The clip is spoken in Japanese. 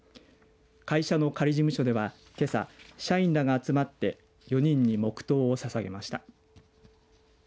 会社の仮事務所では、けさ社員らが集まって４人に黙とうをささげました。